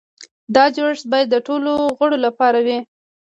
دا جوړښت باید د ټولو غړو لپاره وي.